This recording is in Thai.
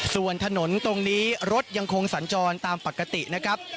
ส่วนถนนตรงนี้รถยังคงสัญจรตามปกตินะครับ